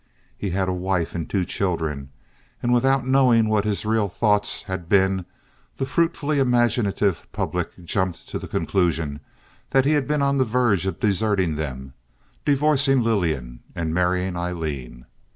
He had a wife and two children; and without knowing what his real thoughts had been the fruitfully imaginative public jumped to the conclusion that he had been on the verge of deserting them, divorcing Lillian, and marrying Aileen.